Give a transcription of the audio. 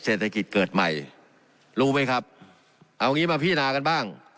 เศรษฐกิจเกิดใหม่รู้ไหมครับเอางี้มาพิจารณากันบ้าง